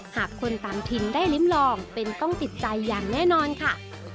หากคนต่างถิ่นได้ลิ้มลองเป็นต้องติดใจอย่างแน่นอนค่ะ